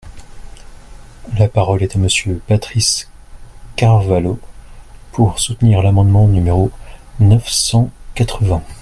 La parole est à Monsieur Patrice Carvalho, pour soutenir l’amendement numéro neuf cent quatre-vingts.